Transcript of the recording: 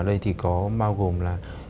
đây thì có bao gồm là